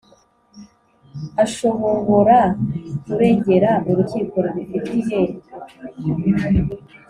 Ashobobora kuregera urukiko rubifitiye